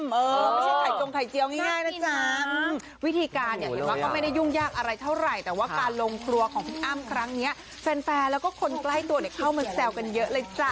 ไม่ใช่ไข่จงไข่เจียวง่ายนะจ๊ะวิธีการเนี่ยเห็นว่าก็ไม่ได้ยุ่งยากอะไรเท่าไหร่แต่ว่าการลงครัวของพี่อ้ำครั้งนี้แฟนแล้วก็คนใกล้ตัวเนี่ยเข้ามาแซวกันเยอะเลยจ้ะ